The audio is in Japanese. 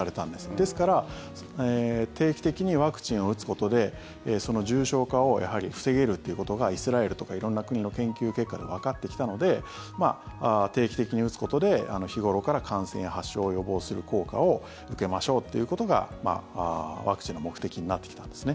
ですから定期的にワクチンを打つことでその重症化を防げるということがイスラエルとか色んな国の研究結果でわかってきたので定期的に打つことで日頃から感染や発症を予防する効果を受けましょうということがワクチンの目的になってきたんですね。